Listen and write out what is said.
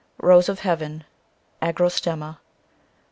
Rose of Heaven, 41 Agrostemma.